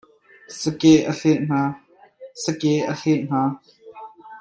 Sake a hleh hna.